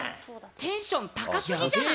テンション高すぎじゃない？